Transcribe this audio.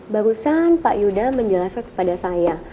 barusan pak yuda menjelaskan kepada saya